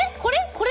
これ？